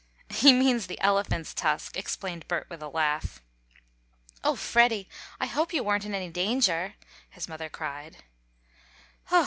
"He means the elephant's tusk," explained Bert with a laugh. "Oh, Freddie! I hope you weren't in any danger!" his mother cried.